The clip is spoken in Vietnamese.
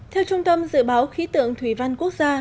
theo trung tâm dự báo khí tượng thủy văn quốc gia